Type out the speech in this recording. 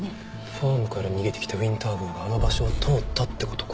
ファームから逃げてきたウィンター号があの場所を通ったって事か。